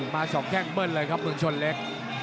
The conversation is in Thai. มา๒แข้งเบิ้ลเลยครับเมืองชนเล็ก